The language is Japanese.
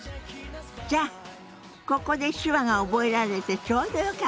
じゃあここで手話が覚えられてちょうどよかったわね。